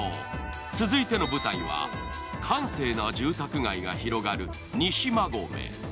続いての舞台は閑静な住宅街が広がる西馬込。